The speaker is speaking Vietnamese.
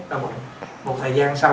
đau bụng một thời gian sau